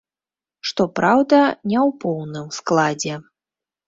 Што праўда, не ў поўным складзе.